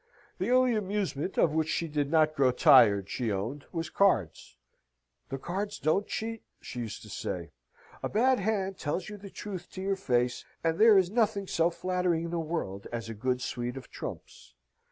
The only amusement of which she did not grow tired, she owned, was cards. "The cards don't cheat," she used to say. "A bad hand tells you the truth to your face: and there is nothing so flattering in the world as a good suite of trumps."